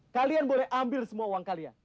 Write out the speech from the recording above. kalian boleh ambil semua uang kalian